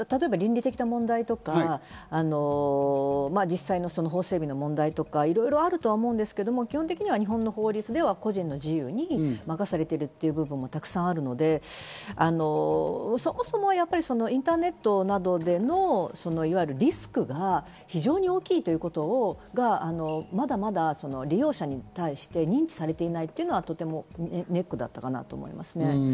倫理的な問題とか、実際の法整備の問題とかいろいろあると思うんですけれども、基本的には日本の法律では個人の自由に任されているというのもたくさんので、そもそもインターネットなどでの、いわゆるリスクが非常に大きいということがまだまだ利用者に対して認知されていないというのはネックだったかなと思います。